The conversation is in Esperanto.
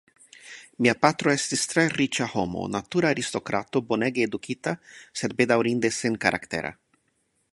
Mia patro estis tre riĉa homo, natura aristokrato, bonege edukita, sed bedaŭrinde senkaraktera.